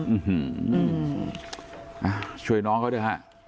อื้อหือช่วยน้องเขาด้วยค่ะ